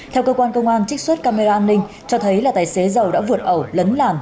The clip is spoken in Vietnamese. theo cơ quan công an trích xuất camera an ninh cho thấy là tài xế giàu đã vượt ẩu lấn làn